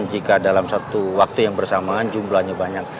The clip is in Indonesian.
jika dalam satu waktu yang bersamaan jumlahnya banyak